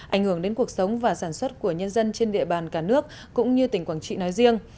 ảnh hưởng đến cuộc sống và sản xuất của nhân dân trên địa bàn cả nước cũng như tỉnh quảng trị nói riêng